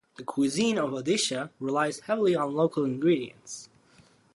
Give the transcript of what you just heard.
The cuisine of Odisha relies heavily on local ingredients.